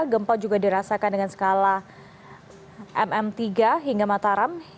gempa juga dirasakan dengan skala mm tiga hingga mataram